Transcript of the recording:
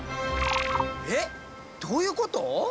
えっどういうこと？